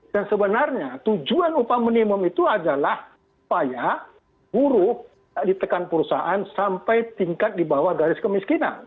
dan sebenarnya tujuan upah minimum itu adalah supaya buruh tidak ditekan perusahaan sampai tingkat di bawah garis kemiskinan